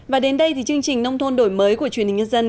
và đến đây thì chương trình nông thôn đổi mới của truyền hình nhân dân